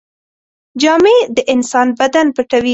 جامې د انسان بدن پټوي.